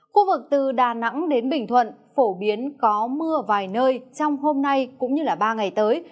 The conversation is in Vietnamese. khu vực từ đà nẵng đến bình thuận phổ biến có mưa vài nơi trong hôm nay cũng như ba ngày tới